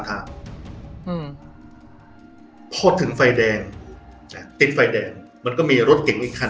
อืมพอถึงไฟแดงใช่ติดไฟแดงมันก็มีรถเก่งอีกคัน